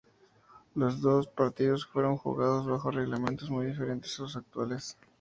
Los dos partidos fueron jugados bajo reglamentos muy diferentes a los actuales.